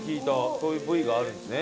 そういう部位があるんですね。